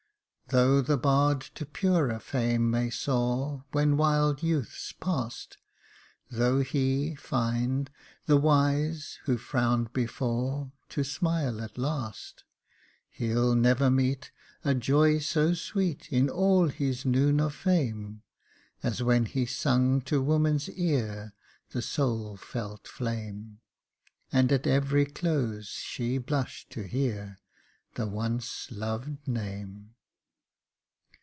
" Though the bard to purer fame may soar When wild youth's past : Though he [find] the wise, who frowned before, To smile at last. Jacob Faithful 243 He'il never meet A joy so sweet In all his noon of fame, As when he sung to woman's ear, The soul felt flame ; And at every close, she blush'd to hear The once lov'd name."